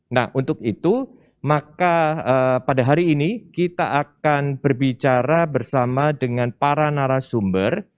nah untuk itu maka pada hari ini kita akan berbicara bersama dengan para narasumber